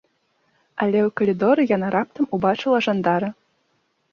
Але ў калідоры яна раптам убачыла жандара.